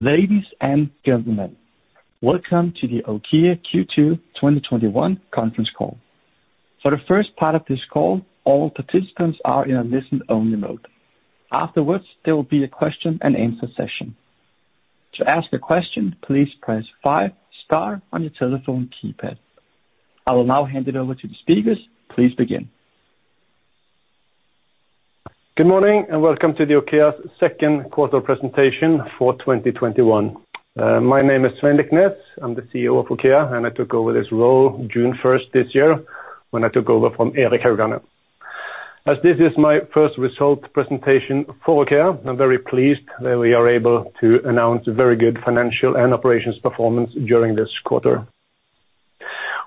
Ladies and gentlemen, welcome to the OKEA Q2 2021 conference call. For the first part of this call, all participants are in a listen-only mode. Afterwards, there will be a question-and-answer session. I will now hand it over to the speakers. Please begin. Good morning, welcome to the OKEA second quarter presentation for 2021. My name is Svein Liknes. I'm the CEO of OKEA, and I took over this role June 1st this year when I took over from Erik Haugane. As this is my first results presentation for OKEA, I'm very pleased that we are able to announce very good financial and operations performance during this quarter.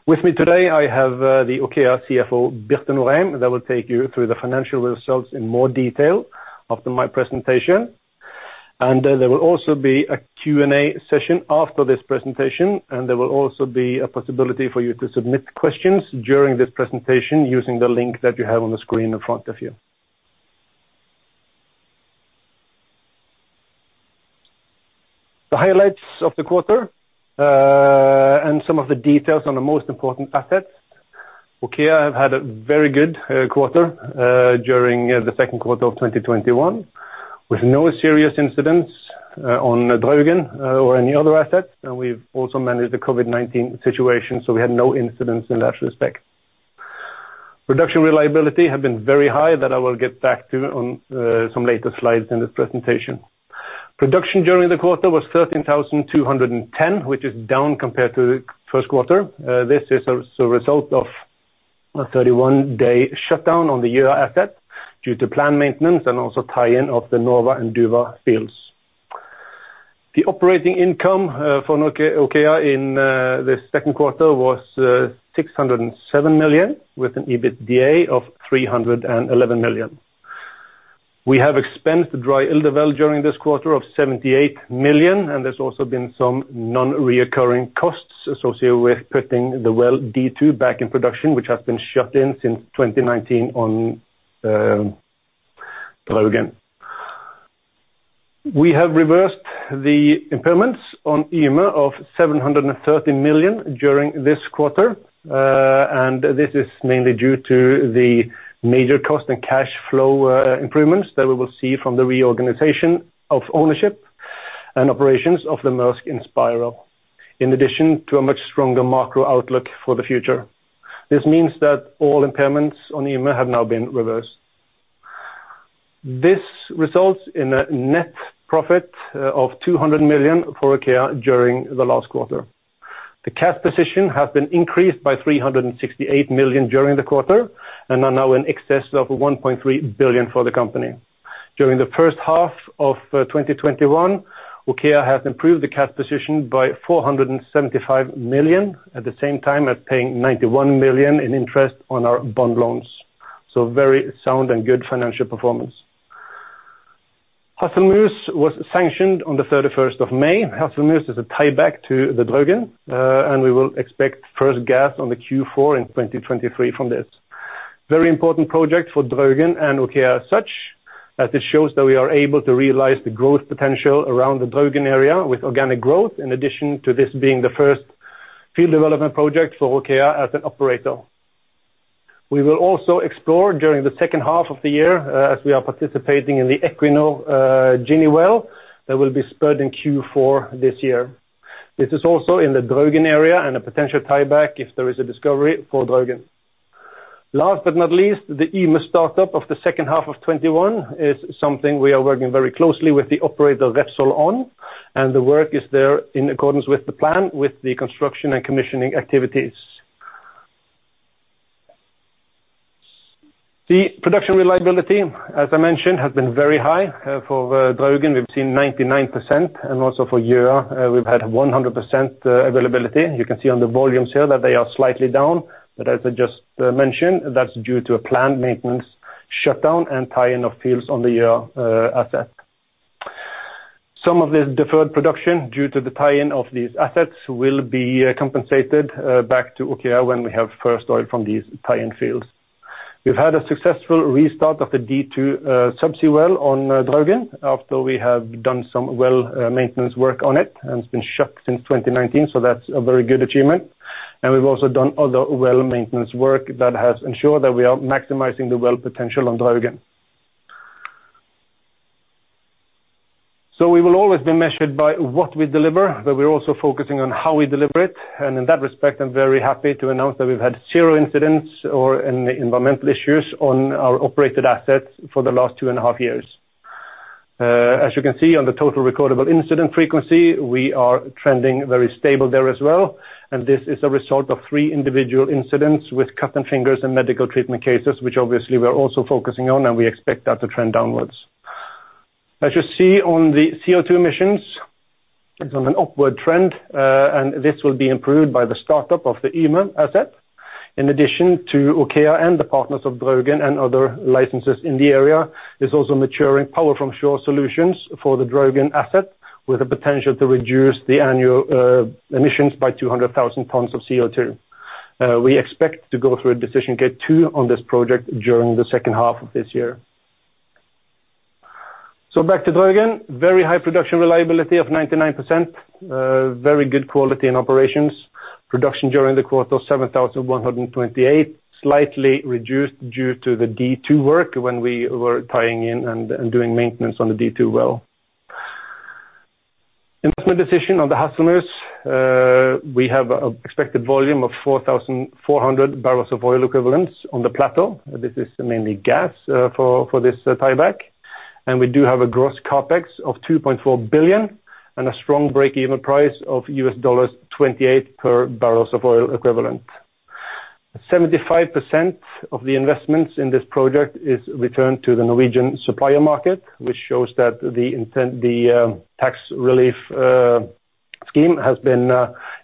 With me today I have the OKEA CFO, Birte Norheim, that will take you through the financial results in more detail after my presentation. There will also be a Q&A session after this presentation, and there will also be a possibility for you to submit questions during this presentation using the link that you have on the screen in front of you. The highlights of the quarter and some of the details on the most important assets. OKEA have had a very good quarter during the second quarter of 2021, with no serious incidents on the Draugen or any other assets. We've also managed the COVID-19 situation, we had no incidents in that respect. Production reliability has been very high, that I will get back to on some later slides in this presentation. Production during the quarter was 13,210, which is down compared to the first quarter. This is as a result of a 31-day shutdown on the Gjøa asset due to plant maintenance and also tie-in of the Nova and Duva fields. The operating income for OKEA in the second quarter was 607 million, with an EBITDA of 311 million. We have expensed dry well during this quarter of 78 million, and there's also been some non-recurring costs associated with putting the well D-02 back in production, which has been shut in since 2019 on Draugen. We have reversed the impairments on Yme of 730 million during this quarter. This is mainly due to the major cost and cash flow improvements that we will see from the reorganization of ownership and operations of the Mærsk Inspirer, in addition to a much stronger macro outlook for the future. This means that all impairments on Yme have now been reversed. This results in a net profit of 200 million for OKEA during the last quarter. The cash position has been increased by 368 million during the quarter and is now in excess of 1.3 billion for the company. During the first half of 2021, OKEA has improved the cash position by 475 million, at the same time as paying 91 million in interest on our bond loans. Very sound and good financial performance. Hasselmus was sanctioned on the 31st of May. Hasselmus is a tieback to the Draugen, and we will expect first gas on the Q4 in 2023 from this. Very important project for Draugen and OKEA such that it shows that we are able to realize the growth potential around the Draugen area with organic growth, in addition to this being the first field development project for OKEA as an operator. We will also explore during the second half of the year as we are participating in the Equinor Ginny well that will be spudded in Q4 this year. This is also in the Draugen area and a potential tieback if there is a discovery for Draugen. Last but not least, the Yme start-up of the second half of 2021 is something we are working very closely with the operator Repsol on, and the work is there in accordance with the plan with the construction and commissioning activities. The production reliability, as I mentioned, has been very high for Draugen. We've seen 99%, and also for Yme we've had 100% availability. You can see on the volumes here that they are slightly down, but as I just mentioned, that's due to a planned maintenance shutdown and tie-in of fields on the Yme asset. Some of this deferred production due to the tie-in of these assets will be compensated back to OKEA when we have first oil from these tie-in fields. We've had a successful restart of the D-02 subsea well on Draugen after we have done some well maintenance work on it, and it's been shut since 2019, so that's a very good achievement. We've also done other well maintenance work that has ensured that we are maximizing the well potential on Draugen. We will always be measured by what we deliver, but we're also focusing on how we deliver it, and in that respect I'm very happy to announce that we've had zero incidents or any environmental issues on our operated assets for the last 2.5 years. As you can see on the total recordable incident frequency, we are trending very stable there as well, and this is a result of three individual incidents with cutting fingers and medical treatment cases, which obviously we are also focusing on and we expect that to trend downwards. As you see on the CO2 emissions, it's on an upward trend, and this will be improved by the start-up of the Yme asset. In addition to OKEA and the partners of Draugen and other licenses in the area is also maturing power from shore solutions for the Draugen asset with the potential to reduce the annual emissions by 200,000 tons of CO2. We expect to go through a decision Gate 2 on this project during the second half of this year. Back to Draugen. Very high production reliability of 99%. Very good quality in operations. Production during the quarter was 7,128, slightly reduced due to the D-02 work when we were tying in and doing maintenance on the D-02 well. Investment decision on the Hasselmus. We have an expected volume of 4,400 bbl of oil equivalents on the plateau. This is mainly gas for this tieback. We do have a gross CapEx of 2.4 billion and a strong breakeven price of $28 per barrels of oil equivalent. 75% of the investments in this project is returned to the Norwegian supplier market, which shows that the tax relief scheme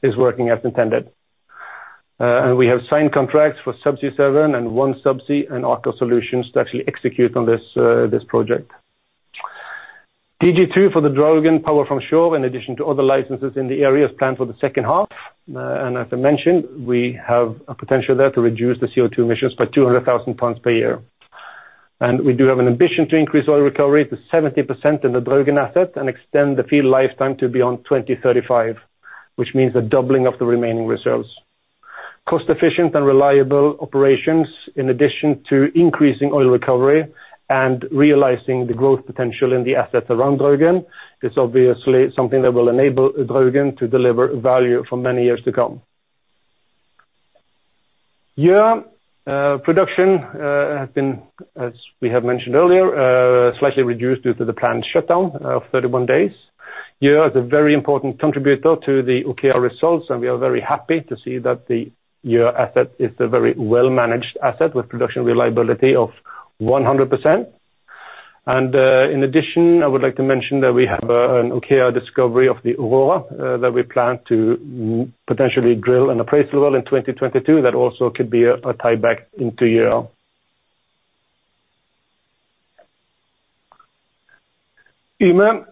is working as intended. We have signed contracts for Subsea7 and OneSubsea and Aker Solutions to actually execute on this project. DG2 for the Draugen power from shore in addition to other licenses in the area is planned for the second half. As I mentioned, we have a potential there to reduce the CO2 emissions by 200,000 tons per year. We do have an ambition to increase oil recovery to 70% in the Draugen asset and extend the field lifetime to beyond 2035, which means a doubling of the remaining reserves. Cost-efficient and reliable operations, in addition to increasing oil recovery and realizing the growth potential in the assets around Draugen is obviously something that will enable Draugen to deliver value for many years to come. Gjøa production has been, as we have mentioned earlier, slightly reduced due to the planned shutdown of 31 days. Gjøa is a very important contributor to the OKEA results, and we are very happy to see that the Gjøa asset is a very well-managed asset with production reliability of 100%. In addition, I would like to mention that we have an OKEA discovery of the Aurora that we plan to potentially drill an appraisal in 2022 that also could be a tieback into Gjøa. Yme.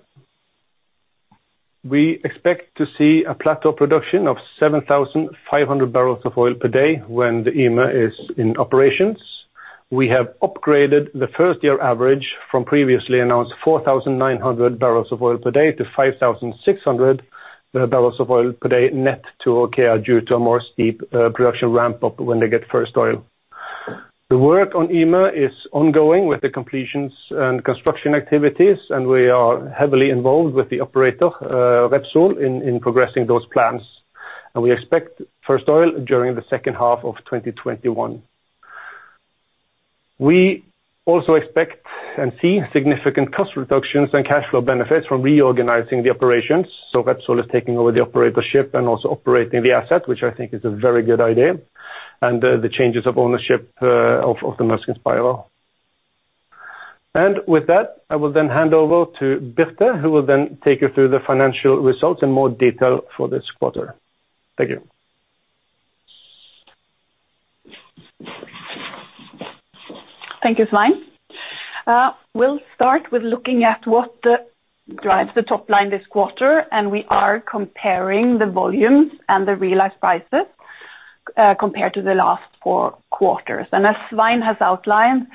We expect to see a plateau production of 7,500 bbl of oil per day when the Yme is in operations. We have upgraded the first-year average from previously announced 4,900 bbl of oil per day to 5,600 bbl of oil per day net to OKEA due to a more steep production ramp-up when they get first oil. The work on Yme is ongoing with the completions and construction activities, and we are heavily involved with the operator, Repsol, in progressing those plans. We expect first oil during the second half of 2021. We also expect and see significant cost reductions and cash flow benefits from reorganizing the operations. Repsol is taking over the operatorship and also operating the asset, which I think is a very good idea. The changes of ownership of the Mærsk Inspirer. With that, I will then hand over to Birte, who will then take you through the financial results in more detail for this quarter. Thank you. Thank you, Svein. We'll start with looking at what drives the top line this quarter. We are comparing the volumes and the realized prices compared to the last four quarters. As Svein has outlined,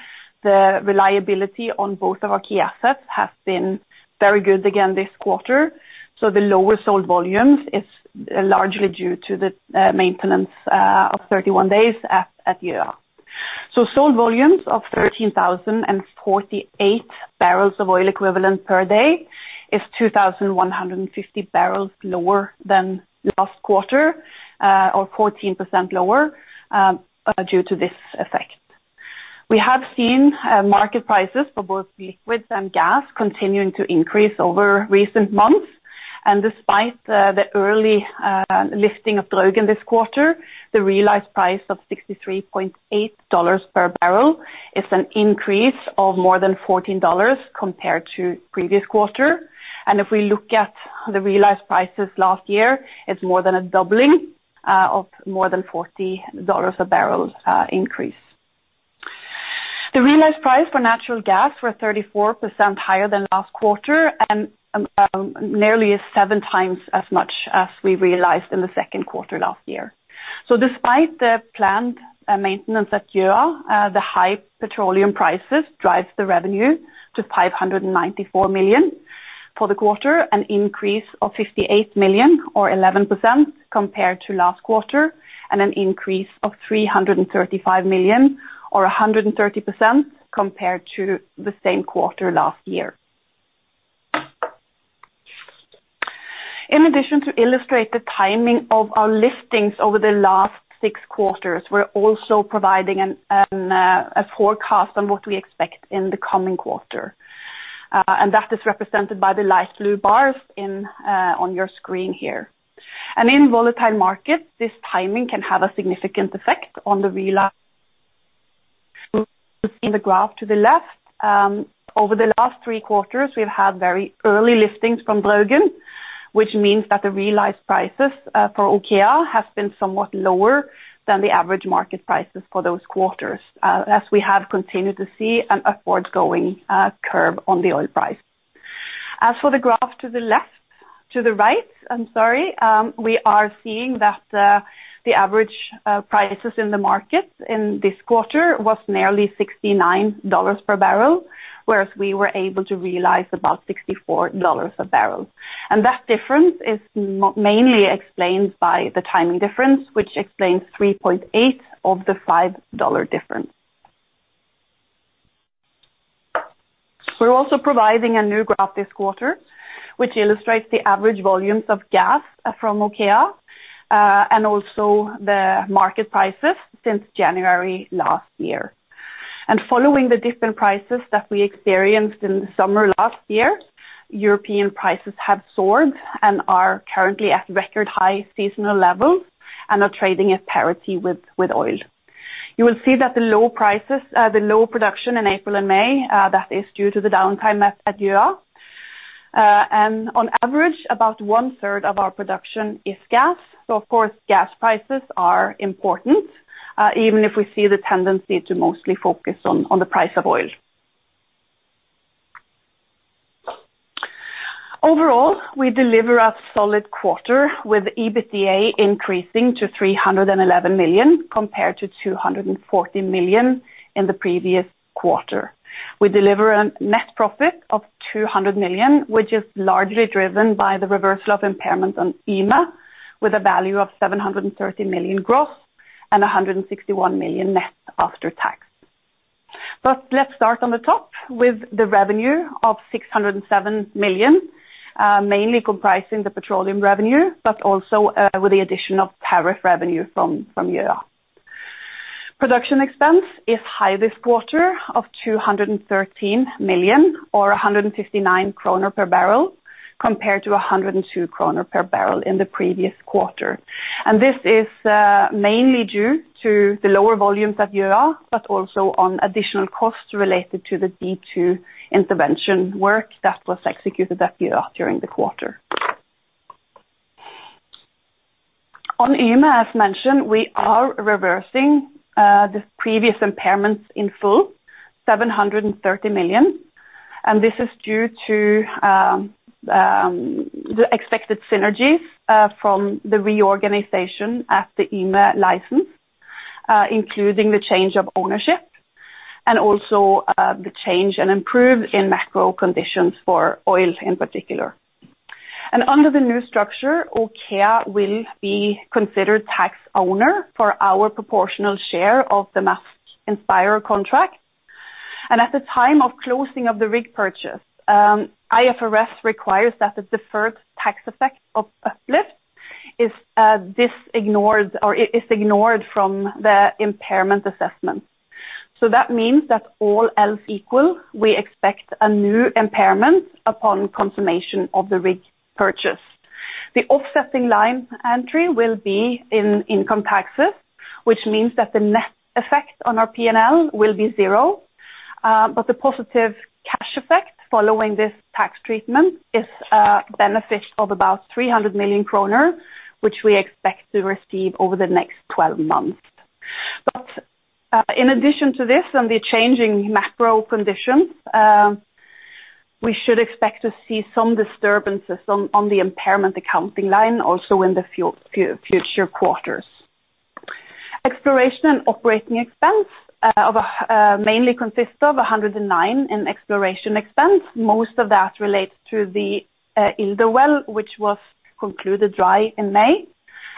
the reliability on both of our key assets has been very good again this quarter. The lower sold volumes is largely due to the maintenance of 31 days at Gjøa. Sold volumes of 13,048 bbl of oil equivalent per day is 2,150 bbl lower than last quarter, or 14% lower, due to this effect. We have seen market prices for both liquids and gas continuing to increase over recent months. Despite the early lifting of Draugen this quarter, the realized price of $63.80 per barrel is an increase of more than $14 compared to the previous quarter. If we look at the realized prices last year, it's more than a doubling of more than $40 a barrel increase. The realized price for natural gas were 34% higher than last quarter and nearly 7x as much as we realized in the second quarter last year. Despite the planned maintenance at Gjøa, the high petroleum prices drives the revenue to 594 million for the quarter, an increase of 58 million or 11% compared to last quarter and an increase of 335 million or 130% compared to the same quarter last year. In addition to illustrate the timing of our liftings over the last six quarters, we're also providing a forecast on what we expect in the coming quarter, and that is represented by the light blue bars on your screen here. In volatile markets, this timing can have a significant effect on the realized in the graph to the left. Over the last three quarters, we've had very early liftings from Draugen, which means that the realized prices for OKEA have been somewhat lower than the average market prices for those quarters, as we have continued to see an upward-going curve on the oil price. As for the graph to the right, we are seeing that the average prices in the market in this quarter was nearly $69 per barrel, whereas we were able to realize about $64 a barrel. That difference is mainly explained by the timing difference, which explains 3.8 of the $5 difference. We're also providing a new graph this quarter, which illustrates the average volumes of gas from OKEA, and also the market prices since January last year. Following the different prices that we experienced in the summer last year, European prices have soared and are currently at record high seasonal levels and are trading at parity with oil. You will see that the low production in April and May, that is due to the downtime at year. On average, about one-third of our production is gas. Of course, gas prices are important, even if we see the tendency to mostly focus on the price of oil. Overall, we deliver a solid quarter with EBITDA increasing to 311 million compared to 240 million in the previous quarter. We deliver a net profit of 200 million, which is largely driven by the reversal of impairment on Yme, with a value of 730 million gross and 161 million net after tax. Let's start on the top with the revenue of 607 million, mainly comprising the petroleum revenue, also with the addition of power revenue from Gjøa. Production expense is high this quarter of 213 million or 159 kroner per barrel, compared to 102 kroner per barrel in the previous quarter. This is mainly due to the lower volumes at Gjøa, also on additional costs related to the D-02 intervention work that was executed at Gjøa during the quarter. On Yme, as mentioned, we are reversing the previous impairments in full, 730 million. This is due to the expected synergies from the reorganization at the Yme license, including the change of ownership and also the change and improve in macro conditions for oil in particular. Under the new structure, OKEA will be considered tax owner for our proportional share of the Mærsk Inspirer contract. At the time of closing of the rig purchase, IFRS requires that the deferred tax effect of Mærsk is ignored from the impairment assessment. That means that all else equal, we expect a new impairment upon consummation of the rig purchase. The offsetting line entry will be in income taxes, which means that the net effect on our P&L will be zero, but the positive cash effect following this tax treatment is a benefit of about 300 million kroner, which we expect to receive over the next 12 months. In addition to this and the changing macro conditions, we should expect to see some disturbances on the impairment accounting line also in the future quarters. Exploration and operating expense mainly consists of 109 in exploration expense. Most of that relates to the Ilder well, which was concluded dry in May,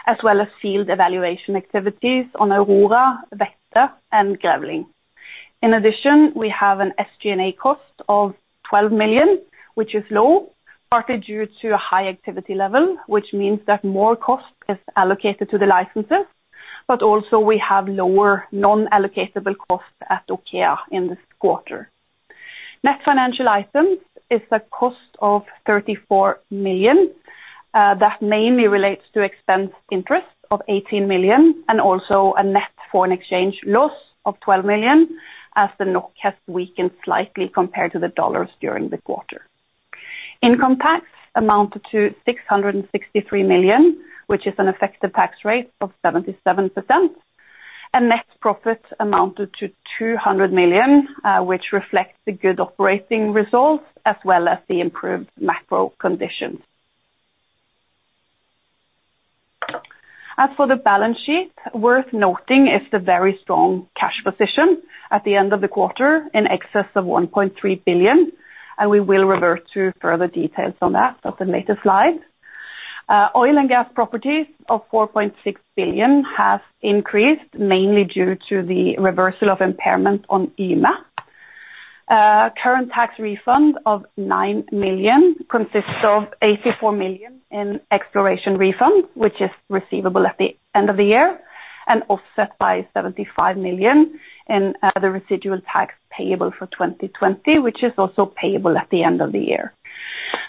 as well as field evaluation activities on Aurora, Vette, and Grevling. In addition, we have an SG&A cost of 12 million, which is low, partly due to a high activity level, which means that more cost is allocated to the licenses, but also we have lower non-allocatable costs at OKEA in this quarter. Net financial items is the cost of 34 million. That mainly relates to expense interest of 18 million and also a net foreign exchange loss of 12 million as the NOK has weakened slightly compared to the USD during the quarter. Income tax amounted to 663 million, which is an effective tax rate of 77%. Net profit amounted to 200 million, which reflects the good operating results as well as the improved macro conditions. As for the balance sheet, worth noting is the very strong cash position at the end of the quarter, in excess of 1.3 billion, and we will revert to further details on that on the later slides. Oil and gas properties of 4.6 billion has increased, mainly due to the reversal of impairment on Yme. Current tax refund of 9 million consists of 84 million in exploration refund, which is receivable at the end of the year and offset by 75 million in the residual tax payable for 2020, which is also payable at the end of the year.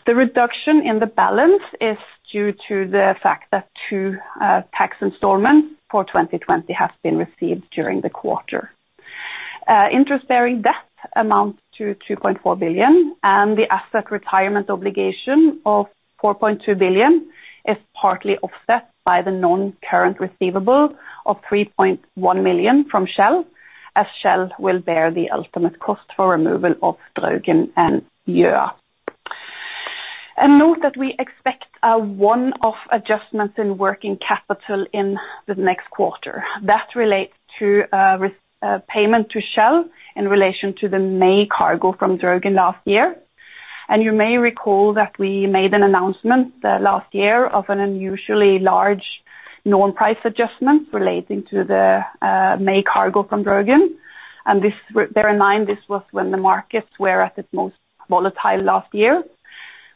The reduction in the balance is due to the fact that two tax installments for 2020 have been received during the quarter. Interest-bearing debt amounts to 2.4 billion, and the asset retirement obligation of 4.2 billion is partly offset by the non-current receivable of 3.1 million from Shell. As Shell will bear the ultimate cost for removal of Draugen and Gjøa. Note that we expect a one-off adjustment in working capital in the next quarter. That relates to payment to Shell in relation to the May cargo from Draugen last year. You may recall that we made an announcement last year of an unusually large norm price adjustment relating to the May cargo from Draugen. Bear in mind, this was when the markets were at its most volatile last year,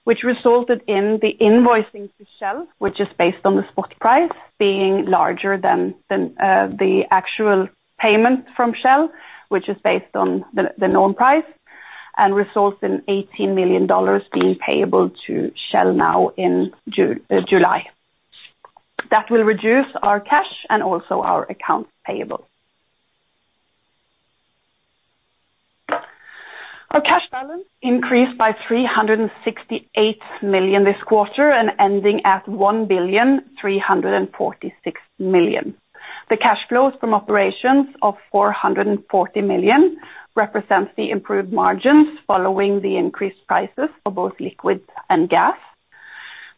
which resulted in the invoicing to Shell, which is based on the spot price being larger than the actual payment from Shell, which is based on the norm price and results in NOK 80 million being payable to Shell now in July. That will reduce our cash and also our accounts payable. Our cash balance increased by 368 million this quarter and ending at 1,346 million. The cash flows from operations of 440 million represents the improved margins following the increased prices for both liquids and gas.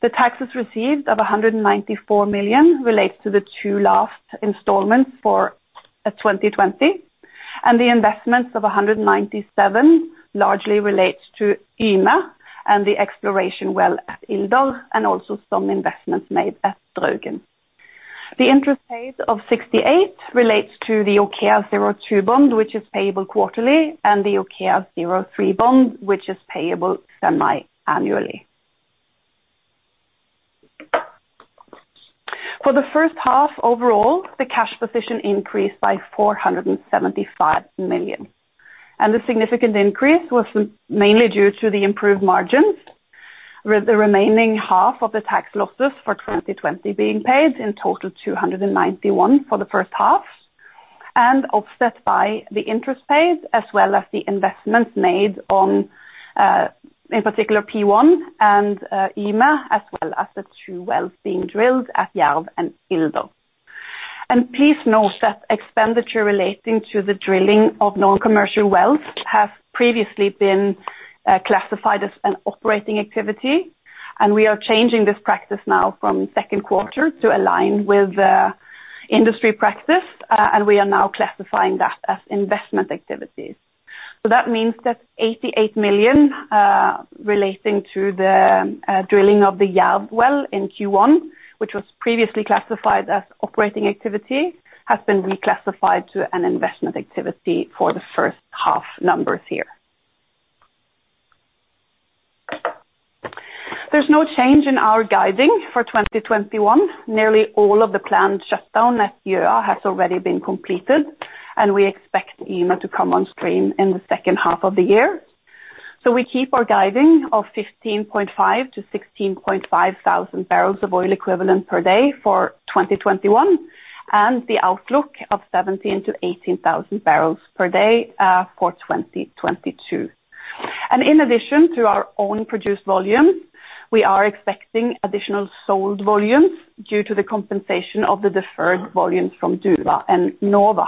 The taxes received at 194 million relate to the two last installments for 2020. The investments of 197 million largely relate to Yme and the exploration well at Ilder and also some investments made at Draugen. The interest paid of 68 relates to the OKEA02 bond, which is payable quarterly, and the OKEA03 bond, which is payable semi-annually. For the first half overall, the cash position increased by 475 million. The significant increase was mainly due to the improved margins with the remaining half of the tax losses for 2020 being paid in total 291 for the first half and offset by the interest paid as well as the investments made on, in particular P1 and Yme, as well as the two wells being drilled at Jerv and Ilder. Please note that expenditure relating to the drilling of non-commercial wells has previously been classified as an operating activity. We are changing this practice now from second quarter to align with the industry practice. We are now classifying that as investment activities. That means that 88 million relating to the drilling of the Ginny well in Q1, which was previously classified as operating activity, has been reclassified to an investment activity for the first-half numbers here. There's no change in our guiding for 2021. Nearly all of the planned shutdown at Gjøa has already been completed, and we expect Yme to come on stream in the second half of the year. We keep our guiding of 15,500 bbl-16,500 bbl of oil equivalent per day for 2021 and the outlook of 17,000 bbl-18,000 bbl per day for 2022. In addition to our own produced volumes, we are expecting additional sold volumes due to the compensation of the deferred volumes from Duva and Nova.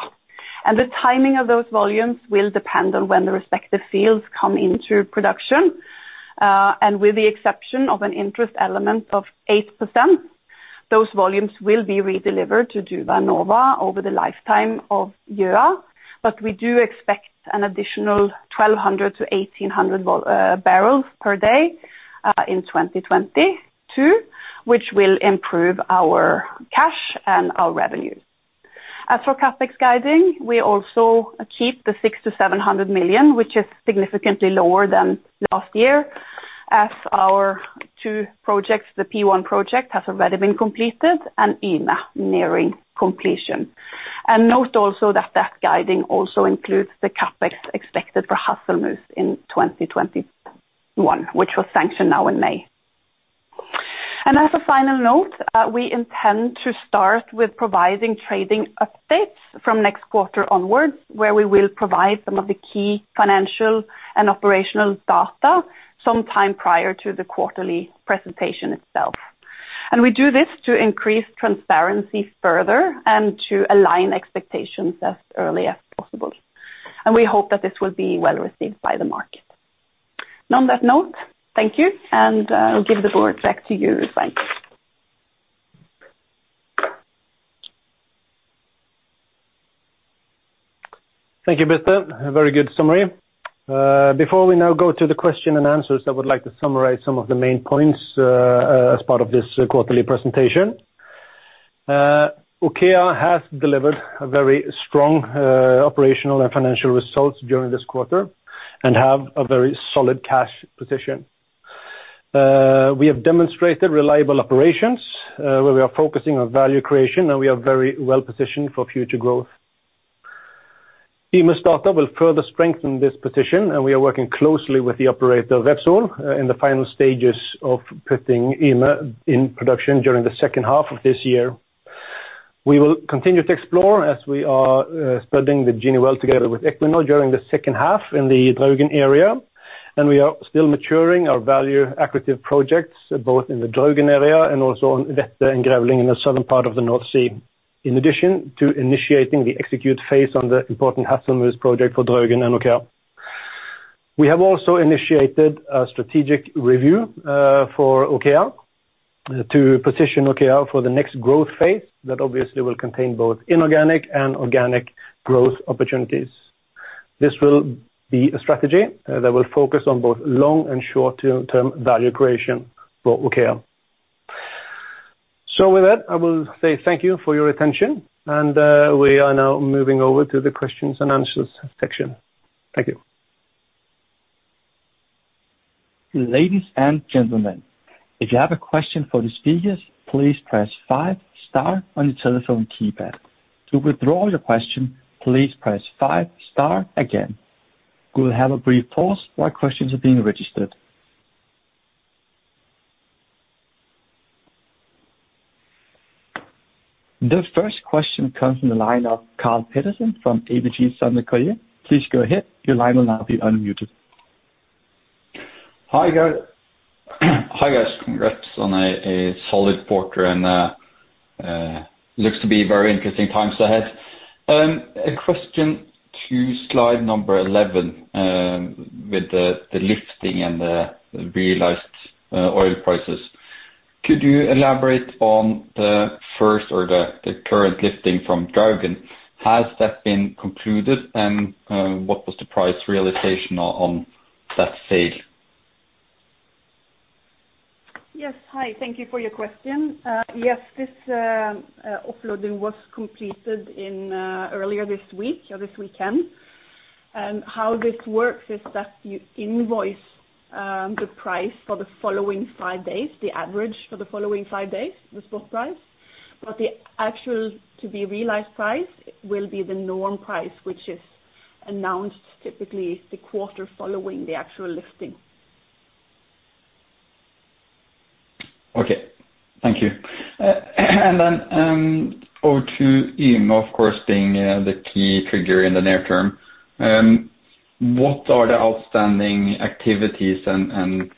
The timing of those volumes will depend on when the respective fields come into production. With the exception of an interest element of 8%, those volumes will be redelivered to Duva and Nova over the lifetime of Gjøa. We do expect an additional 1,200 bbl-1,800 bbl per day in 2022, which will improve our cash and our revenue. As for CapEx guiding, we also achieve the 600 million-700 million, which is significantly lower than last year as our two projects, the P1 project, has already been completed and Yme nearing completion. Note also that that guiding also includes the CapEx expected for Hasselmus in 2021, which was sanctioned now in May. As a final note, we intend to start with providing trading updates from next quarter onwards, where we will provide some of the key financial and operational data sometime prior to the quarterly presentation itself. We do this to increase transparency further and to align expectations as early as possible. We hope that this will be well-received by the market. On that note, thank you, and I'll give the board back to you, Svein Liknes. Thank you, Birte. A very good summary. Before we now go to the question-and-answers, I would like to summarize some of the main points as part of this quarterly presentation. OKEA has delivered a very strong operational and financial results during this quarter and have a very solid cash position. We have demonstrated reliable operations where we are focusing on value creation, and we are very well-positioned for future growth. Yme start-up will further strengthen this position, and we are working closely with the operator, Repsol, in the final stages of putting Yme in production during the second half of this year. We will continue to explore as we are studying the Ginny well together with Equinor during the second half in the Draugen area. We are still maturing our value-accretive projects, both in the Draugen area and also on Vette and Gjøa in the southern part of the North Sea. In addition to initiating the execute phase on the important Halten East project for Draugen and OKEA. We have also initiated a strategic review for OKEA to position OKEA for the next growth phase, that obviously will contain both inorganic and organic growth opportunities. This will be a strategy that will focus on both long and short-term value creation for OKEA. With that, I will say thank you for your attention, and we are now moving over to the questions and answers section. Thank you. Ladies and gentlemen, if you have a question for these videos, please press five star on the telephone keypad. To withdaw your question, please press five star again. We'll have a brief pause while questions are being registered. The first question comes from the line of Karl Pedersen from ABG Sundal Collier. Please go ahead. Hi, guys. Congrats on a solid quarter and looks to be very interesting times ahead. A question to slide number 11, with the lifting and the realized oil prices. Could you elaborate on the first or the current lifting from Draugen? Has that been concluded? What was the price realization on that sale? Yes. Hi, thank you for your question. Yes, this offloading was completed earlier this week, or this weekend. How this works is that you invoice the price for the following five days, the average for the following five days, the spot price. The actual to-be-realized price will be the known price, which is announced typically the quarter following the actual lifting. Okay. Thank you. O2 Yme, of course, being the key trigger in the near term. What are the outstanding activities and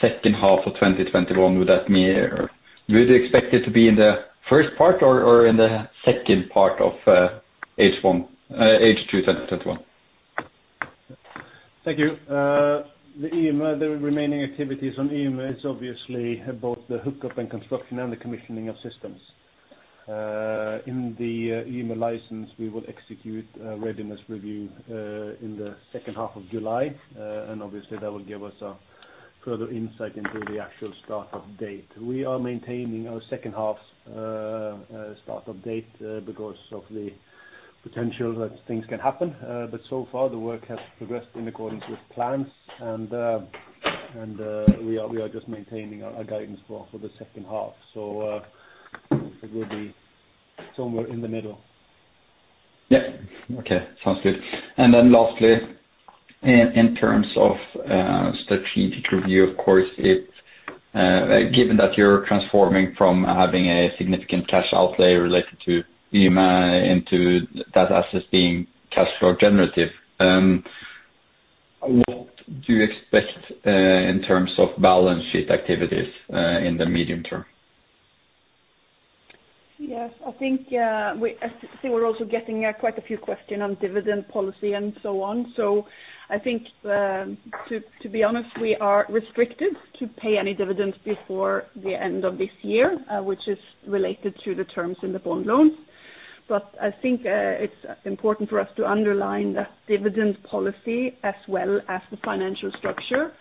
second half of 2021, would you expect it to be in the first part or in the second part of H2 2021? Thank you. The Yme, the remaining activities on Yme is obviously both the hookup and construction and the commissioning of systems. In the Yme license, we will execute a readiness review in the second half of July, obviously that will give us a further insight into the actual start-up date. We are maintaining our second half start-up date because of the potential that things can happen. So far, the work has progressed in accordance with plans, we are just maintaining our guidance for the second half. It will be somewhere in the middle. Okay, sounds good. Lastly, in terms of strategic review, of course, given that you're transforming from having a significant cash outlay related to Yme into that asset being cash flow generative, what do you expect in terms of balance sheet activities in the medium term? Yes, I think we're also getting quite a few questions on dividend policy and so on. I think, to be honest, we are restricted to pay any dividends before the end of this year, which is related to the terms in the bond loans. I think it's important for us to underline that dividend policy, as well as the financial structure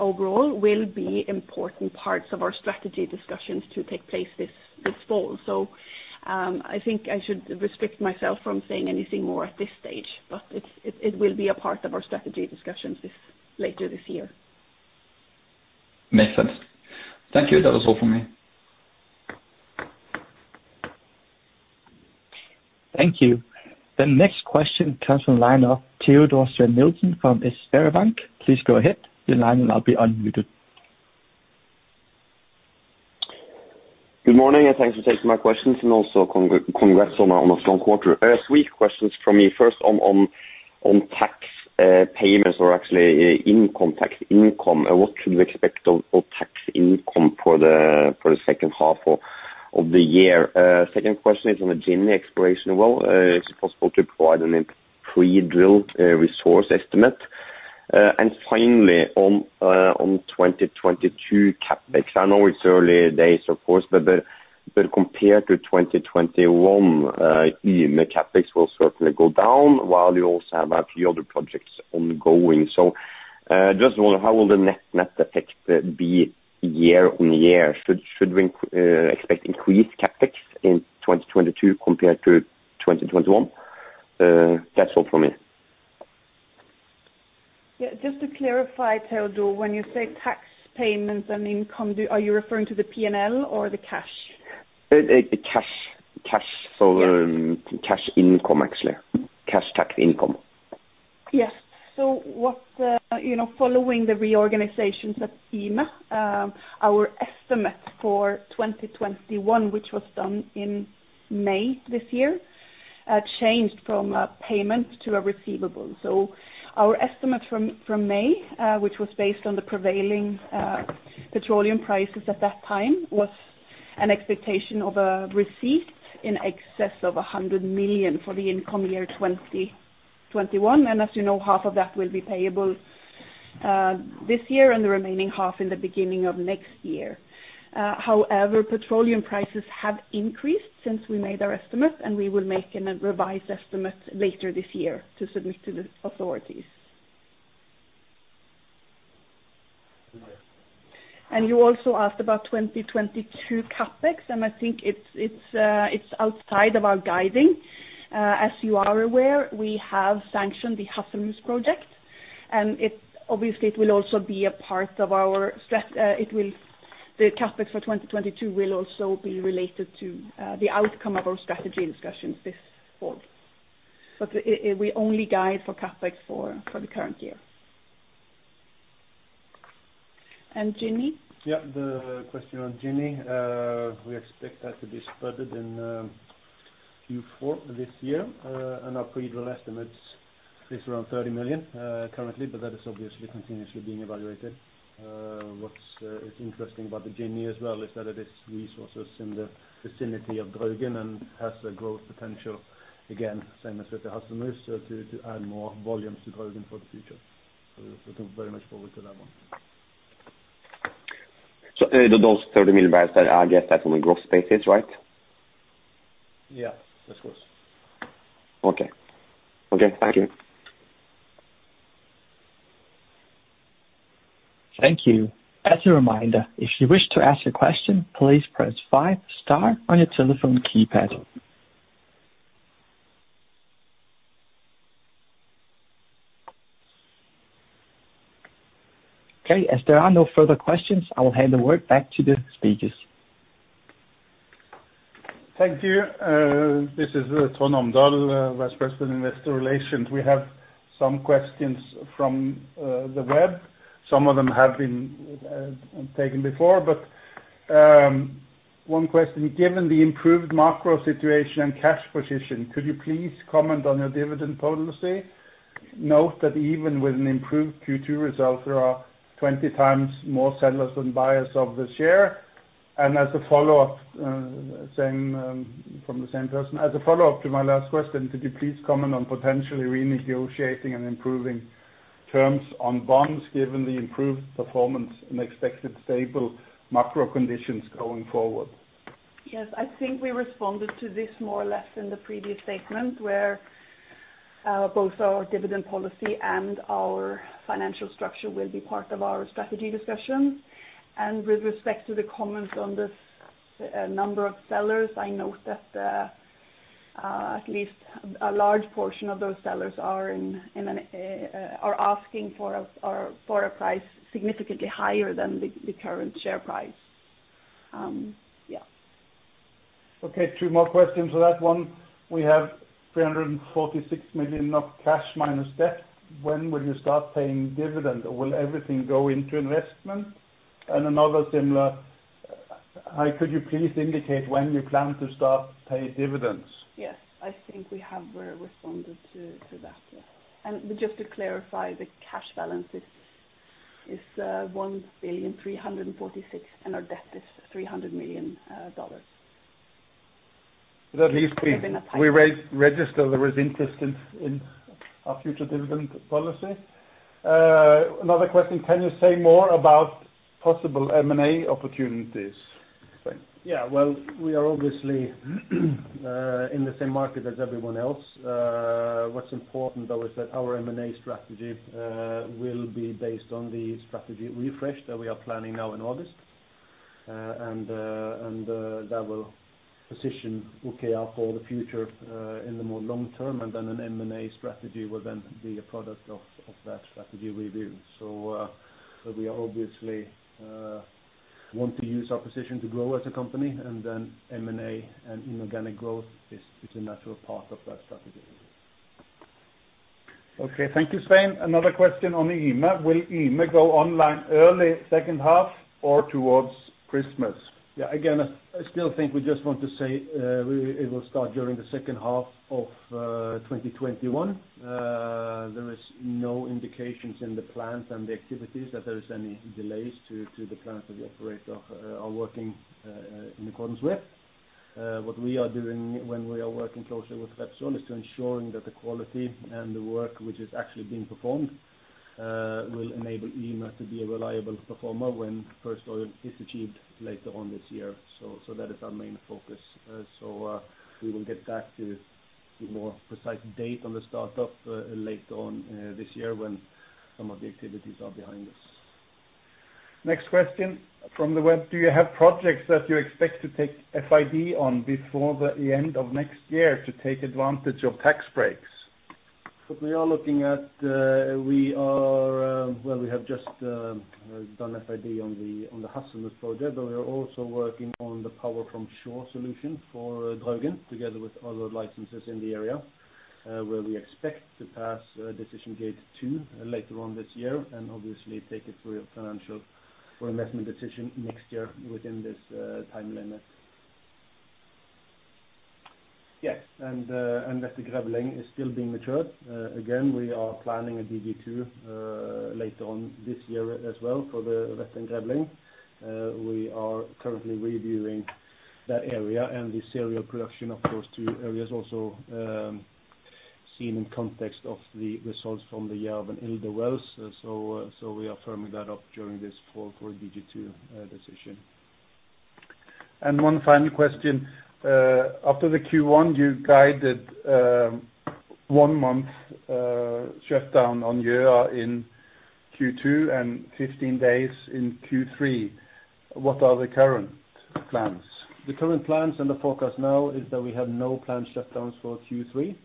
overall, will be important parts of our strategy discussions to take place this fall. I think I should restrict myself from saying anything more at this stage, but it will be a part of our strategy discussions later this year. Makes sense. Thank you. That was all for me. Thank you. The next question comes from the line of Teodor Sveen-Nilsen from SpareBank. Please go ahead. Good morning. Thanks for taking my questions. Also, congrats on a strong quarter. Three questions from me. First on tax payments, or actually income, what should we expect of tax income for the second half of the year? Second question is on the Ginny exploration well. Is it possible to provide a pre-drill resource estimate? Finally, on 2022 CapEx. I know it's early days, of course, but compared to 2021, Yme CapEx will certainly go down while you also have a few other projects ongoing. Just wonder, how will the net effect be year-on-year? Should we expect increased CapEx in 2022 compared to 2021? That's all from me. Yeah. Just to clarify, Teodor Sveen-Nilsen, when you say tax payments and income, are you referring to the P&L or the cash? The cash income, actually. Cash tax income. Yes. Following the reorganizations at Yme, our estimate for 2021, which was done in May this year, changed from a payment to a receivable. Our estimate from May, which was based on the prevailing petroleum prices at that time, was an expectation of a receipt in excess of 100 million for the incoming year 2021. As you know, half of that will be payable this year and the remaining half in the beginning of next year. However, petroleum prices have increased since we made our estimate, and we will make a revised estimate later this year to submit to the authorities. You also asked about 2022 CapEx, and I think it's outside of our guiding. As you are aware, we have sanctioned the Hasselmus project, and obviously the CapEx for 2022 will also be related to the outcome of our strategy discussions this fall. We only guide for CapEx for the current year. Ginny? Yeah, the question on Ginny. We expect that to be spudded in Q4 this year. Our pre-drill estimate is around 30 million currently, that is obviously continuously being evaluated. What is interesting about the Ginny as well is that it has resources in the vicinity of Draugen and has a growth potential, again, same as with the Hasselmus, to add more volume to Draugen for the future. We're looking very much forward to that one. Those 30 million gross stages, right? Yeah, that's correct. Okay. Thank you. Thank you. As a reminder, if you wish to ask a question, please press five star on your telephone keypad. Okay, as there are no further questions, I will hand it back to the stages. Thank you. This is Trond Omdal, Vice President, Investor Relations. We have some questions from the web. Some of them have been taken before, but one question, given the improved macro situation and cash position, could you please comment on your dividend policy? Note that even with an improved Q2 result, there are 20 times more sellers than buyers of the share. As a follow-up, from the same person. As a follow-up to my last question, could you please comment on potentially renegotiating and improving terms on bonds given the improved performance and expected stable macro conditions going forward? Yes, I think we responded to this more or less in the previous segment where both our dividend policy and our financial structure will be part of our strategy discussion. With respect to the comments on this number of sellers, I note that at least a large portion of those sellers are asking for a price significantly higher than the current share price. Yeah. Okay, two more questions on that one. We have 346 million of cash minus debt. When will you start paying dividend, or will everything go into investment? Another similar, could you please indicate when you plan to start paying dividends? Yes. I think we have responded to that. Just to clarify, the cash balance is 1,346,000 and our debt is NOK 300 million. At least we register there is interest in our future dividend policy. Another question, can you say more about possible M&A opportunities? Yeah, well, we are obviously in the same market as everyone else. What's important, though, is that our M&A strategy will be based on the strategy refresh that we are planning now in August. That will position OKEA for the future in the more long-term, and then an M&A strategy will then be a product of that strategy review. We obviously want to use our position to grow as a company, and then M&A and inorganic growth is a natural part of that strategy. Okay, thank you, Svein. Another question on the Yme. Will Yme go online early second half or towards Christmas? Yeah, again, I still think we just want to say it will start during the second half of 2021. There is no indications in the plans and the activities that there's any delays to the plans that the operator are working in accordance with. What we are doing when we are working closely with Statoil is ensuring that the quality and the work which is actually being performed will enable Yme to be a reliable performer when first oil is achieved later on this year. That is our main focus. We will get back to a more precise date on the startup later on this year when some of the activities are behind us. Next question from the web. Do you have projects that you expect to take FID on before the end of next year to take advantage of tax breaks? We have just done FID on the Hasselmus project. We are also working on the power from shore solution for Draugen, together with other licenses in the area, where we expect to pass decision gate two later on this year and obviously take it through a financial investment decision next year within this time limit. Yes, Vette and Grevling is still being matured. Again, we are planning a DG2 later on this year as well for the Vette and Grevling. We are currently reviewing that area and the serial production of those two areas also seen in context of the results from the Jerv and Ilder wells. We are firming that up during this fall for a DG2 decision. One final question. After the Q1, you guided one-month shutdown on Yme in Q2 and 15 days in Q3. What are the current plans? The current plans and the forecast now is that we have no planned shutdowns for Q3.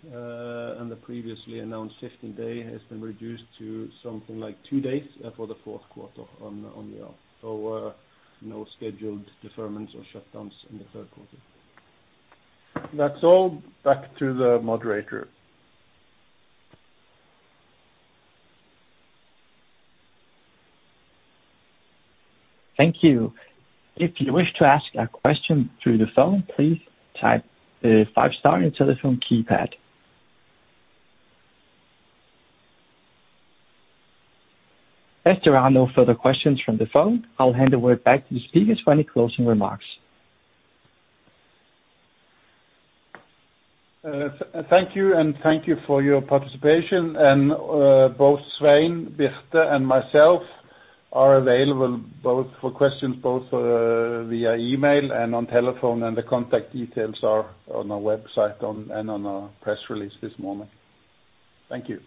The previously announced 15-day has been reduced to something like two days for the fourth quarter on the Yme. No scheduled deferments or shutdowns in the third quarter. That is all. Back to the moderator. Thank you. If you wish to ask a question through the phone, please type five star on your telephone keypad. As there are no further questions from the phone, I will hand it back to the speakers for any closing remarks. Thank you, and thank you for your participation. Both Svein, Birte, and myself are available both for questions both via email and on telephone, and the contact details are on our website and on our press release this morning. Thank you